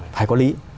phải có lý